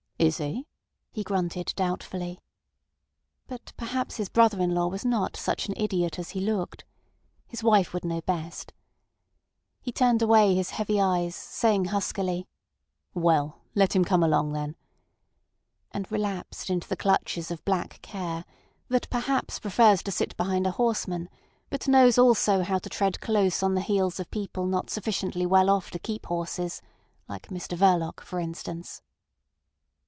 "Is he?" he grunted doubtfully. But perhaps his brother in law was not such an idiot as he looked. His wife would know best. He turned away his heavy eyes, saying huskily: "Well, let him come along, then," and relapsed into the clutches of black care, that perhaps prefers to sit behind a horseman, but knows also how to tread close on the heels of people not sufficiently well off to keep horses—like Mr Verloc, for instance.